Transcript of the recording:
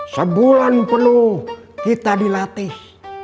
sebulan penuh kita dilatih